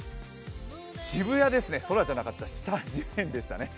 渋谷ですね、空じゃなかった、下、地面ですね。